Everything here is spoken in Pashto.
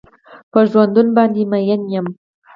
په ژوندون باندې مين يم.